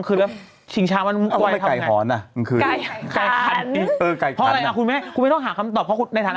เดี๋ยวนี้คือเป็นพวกอร่อยก็ได้เนอะ